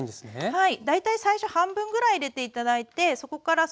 はい。